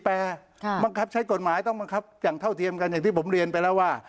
บังคับใช้กฎหมายต้องบังคับอย่างเท่าเทียมกันอย่างที่ผมเรียนไปแล้วว่า